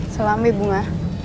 salam be bunga